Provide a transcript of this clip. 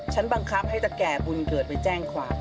บังคับให้ตะแก่บุญเกิดไปแจ้งความ